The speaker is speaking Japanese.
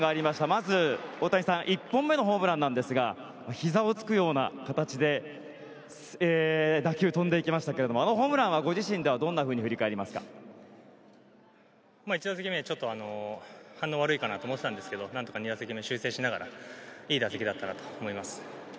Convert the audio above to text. まず、大谷さん１本目のホームランなんですがひざをつくような形で打球が飛んでいきましたがあのホームランはご自身ではどんなふうに１打席目でちょっと反応が悪いかなと思ってたんですが２打席目、何とか修正をしていい打席だったなと思います。